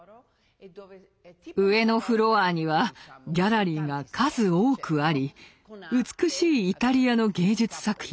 上のフロアにはギャラリーが数多くあり美しいイタリアの芸術作品